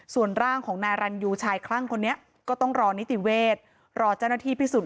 ส่วนร่างของนายรันยูชายคลั่งคนนี้ก็ต้องรอนิติเวศรอเจ้าหน้าที่พิสูจน